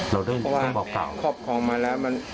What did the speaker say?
เราได้บอกข่าวครอบครองมาแล้วมัน